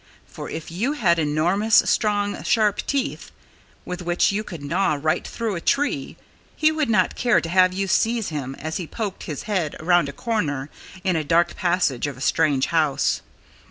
For if you had enormous, strong, sharp teeth with which you could gnaw right through a tree he would not care to have you seize him as he poked his head around a corner in a dark passage of a strange house.